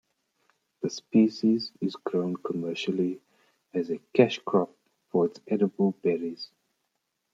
The species is grown commercially as a cash crop for its edible berries.